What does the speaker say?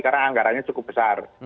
karena anggarannya cukup besar